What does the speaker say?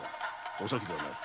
お咲ではない。